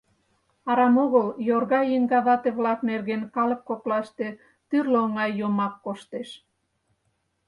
Арам огыл йорга еҥга вате-влак нерген калык коклаште тӱрлӧ оҥай йомак коштеш.